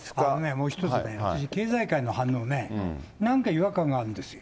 もう一つね、私、経済界の反応ね、なんか違和感があるんですよ。